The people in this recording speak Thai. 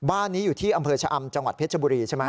บ้านนี้อยู่ที่อำเภอชะอำจังหวัดเพชรบุรีใช่ไหม